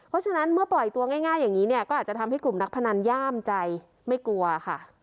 เพราะฉะนั้นเมื่อปล่อยตัวง่ายอย่างนี้เนี่ยก็อาจจะทำให้กลุ่มนักพนันย่ามใจไม่กลัวค่ะ